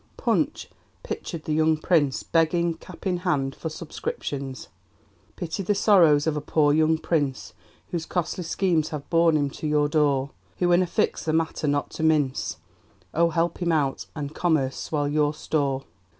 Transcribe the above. Punch pictured the young Prince begging, cap in hand, for subscriptions: Pity the sorrows of a poor, young Prince Whose costly schemes have borne him to your door; Who's in a fix, the matter not to mince, Oh! help him out, and Commerce swell your store!